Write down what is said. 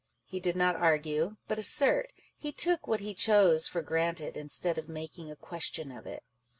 He did not argue, but assert ; he took what he chose for granted, instead of making a question of it.